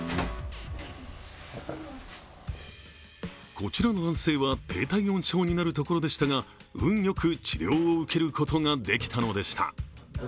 こちらの男性は低体温症になるところでしたが運良く治療を受けることができたのでした。